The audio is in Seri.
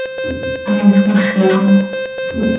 ¡Hai iscmaxi xo!